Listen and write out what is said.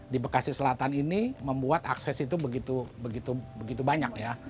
di bekasi selatan ini membuat akses itu begitu banyak ya